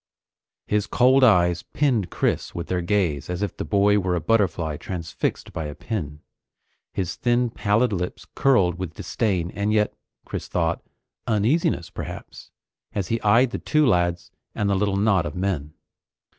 His cold eyes pinned Chris with their gaze as if the boy were a butterfly transfixed by a pin. His thin, pallid lips curled with disdain and yet, Chris thought, uneasiness perhaps, as he eyed the two lads and the little knot of men.